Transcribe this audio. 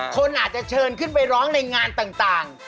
คนอาจจะเชิญขึ้นไปร้องในงานต่าง